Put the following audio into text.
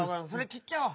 きっちゃおう！